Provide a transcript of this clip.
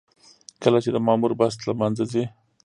کله چې د مامور بست له منځه ځي.